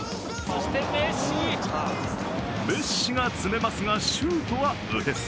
メッシが詰めますが、シュートは打てず。